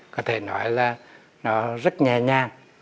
có thể nói là nó rất nhẹ nhàng